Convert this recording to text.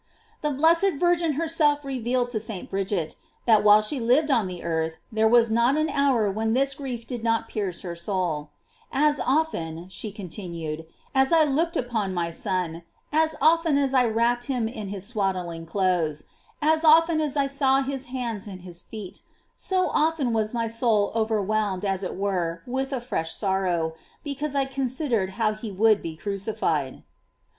The blessed Virgin herself revealed to St. Bridget,* that while she lived on the earth there was not an hour when this grief did not pierce her soul: As often, she continued, as I looked upon my Son, as often as I wrapped him in his swaddling clothes, as often as I saw his hands and his feet, so often was my soul overwhelmed as it were with a fresh sorrow, because I considered how he would be crucified.